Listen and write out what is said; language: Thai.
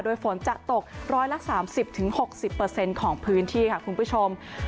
โดยฝนจะตก๑๓๐๖๐ของพื้นที่ค่ะคุณผู้ชม